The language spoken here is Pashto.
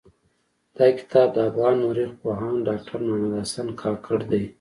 دا کتاب د افغان مٶرخ پوهاند ډاکټر محمد حسن کاکړ دٸ.